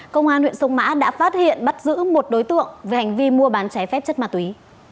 công an huyện sông mã đã phát hiện bắt giữ một đối tượng về hành vi mua bán trái phép chất ma túy